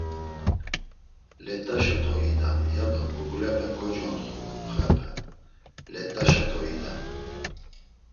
“Let̆aşo to idan!” ya do burgulepe kocontxu xepe; “Let̆aşa to idan!”